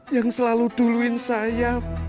yang selalu duluin saya